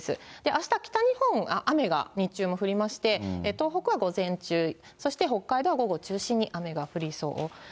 あした、北日本、雨が日中も降りまして、東北は午前中、そして北海道は午後中心に雨が降りそう。